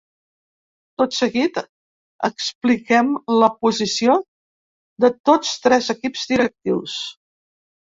Tot seguit, expliquem la posició de tots tres equips directius.